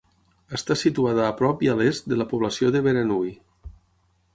Està situada a prop i a l'est de la població de Beranui.